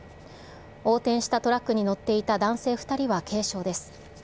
横転したトラックに乗っていた男性２人は軽傷です。